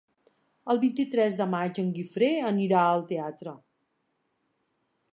El vint-i-tres de maig en Guifré anirà al teatre.